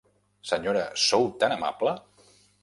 Senyora, sou tan amable!